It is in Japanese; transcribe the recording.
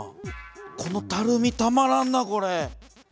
このたるみたまらんな。